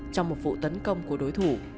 trong một vụ tấn công của đối thủ